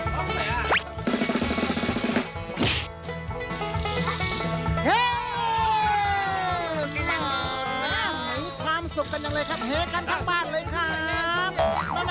มีความสุขกันจังเลยครับเฮกันทั้งบ้านเลยครับ